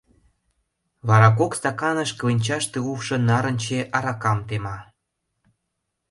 Вара кок стаканыш кленчаште улшо нарынче аракам тема.